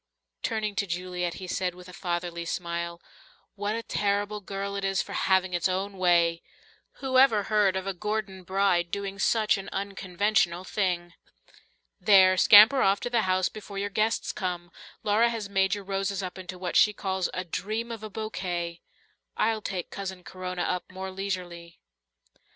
Turning to Juliet, he said with a fatherly smile, "What a terrible girl it is for having its own way! Who ever heard of a Gordon bride doing such an unconventional thing? There, scamper off to the house before your guests come. Laura has made your roses up into what she calls 'a dream of a bouquet,' I'll take Cousin Corona up more leisurely."